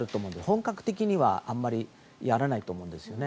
本格的にはあまりやらないと思うんです。